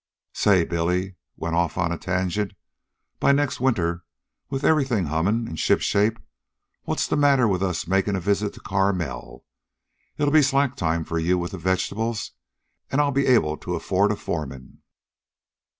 "Say!" Billy went off at a tangent. "By next winter, with everything hummin' an' shipshape, what's the matter with us makin' a visit to Carmel? It'll be slack time for you with the vegetables, an' I'll be able to afford a foreman."